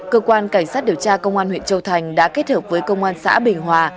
cơ quan cảnh sát điều tra công an huyện châu thành đã kết hợp với công an xã bình hòa